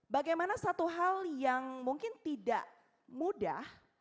bagaimana satu hal yang mungkin tidak mudah